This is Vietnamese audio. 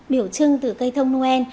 biểu trưng từ cây thông noel